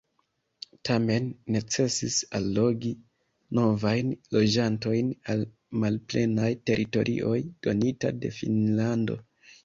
Tamen necesis allogi novajn loĝantojn al malplenaj teritorioj donita de Finnlando.